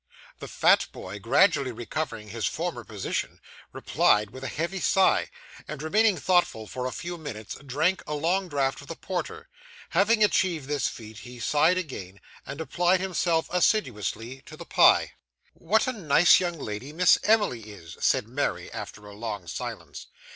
The fat boy, gradually recovering his former position, replied with a heavy sigh, and, remaining thoughtful for a few moments, drank a long draught of the porter. Having achieved this feat, he sighed again, and applied himself assiduously to the pie. 'What a nice young lady Miss Emily is!' said Mary, after a long silence.